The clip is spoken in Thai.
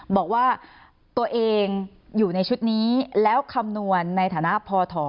บอกว่าตัวเองอยู่ในชุดนี้แล้วคำนวณในฐานะพอถอ